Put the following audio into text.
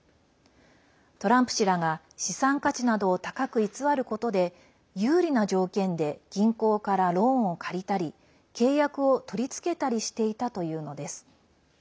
トランプ氏らが資産価値などを高く偽ることで有利な条件で銀行からローンを借りたり契約を取り付けたりしていたというのです。